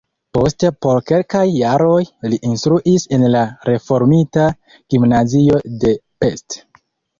Poste por kelkaj jaroj li instruis en la reformita gimnazio de Pest.